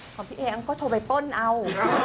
ของพี่เอ็มก็โทรไปป้นเอา